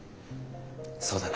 そうだな。